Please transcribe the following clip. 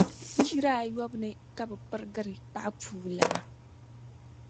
Chira ayɔbu ni ka bi pirigiri paɣapuulana